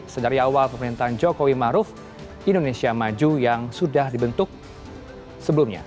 sedari awal pemerintahan jokowi maruf indonesia maju yang sudah dibentuk sebelumnya